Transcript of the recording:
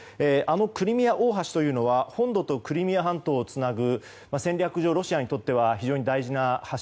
クリミア大橋というのは本土とクリミア半島をつなぐ戦略上ロシアにとっては非常に大事な橋。